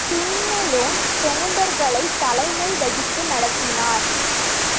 Sean Malone தோண்டர்களைத் தலைமை வகித்து நடத்தினார்.